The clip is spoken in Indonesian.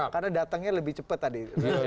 karena datangnya lebih cepat tadi